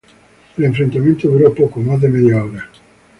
El enfrentamiento duró poco más de media hora.